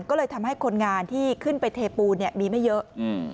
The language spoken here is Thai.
ก็เลยทำให้คนงานที่ขึ้นไปเทปูนมีไม่เยอะ